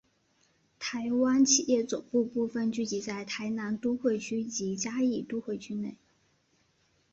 台湾企业总部部份聚集在台南都会区及嘉义都会区内。